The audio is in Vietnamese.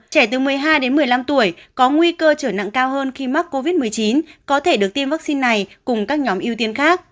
trẻ từ một mươi hai đến một mươi năm tuổi có nguy cơ trở nặng cao hơn khi mắc covid một mươi chín có thể được tiêm vaccine này cùng các nhóm ưu tiên khác